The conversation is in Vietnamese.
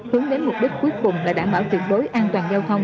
hướng đến mục đích cuối cùng là đảm bảo tuyệt đối an toàn giao thông